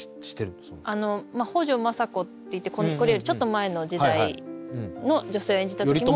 北条政子っていってこれよりちょっと前の時代の女性を演じた時も。